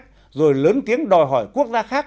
người lớn tiếng đòi hỏi quốc gia khác